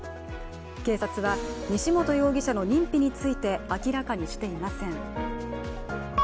警察は西本容疑者の認否について明らかにしていません。